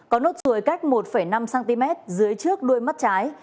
có nốt ruồi cách một năm cm dưới trước đuôi mắt trái